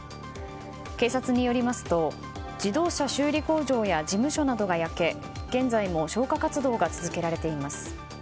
警察によりますと自動車修理工場や事務所などが焼け現在も消火活動が続けられています。